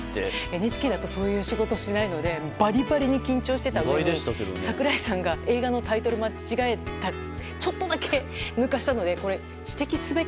ＮＨＫだとそういう仕事をしないのでばりばりに緊張していたのに櫻井さんが、映画のタイトルを間違えてちょっとだけ抜かしたので指摘すべき？